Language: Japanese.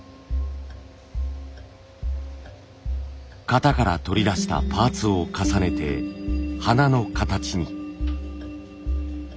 型から取り出したパーツを重ねて花の形に。